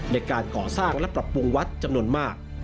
ในการก่อสร้างและปรับปรุงวัดจำนวนมาก